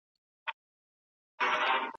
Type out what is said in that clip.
فساد مه کوئ.